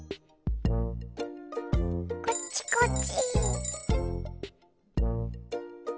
こっちこっち。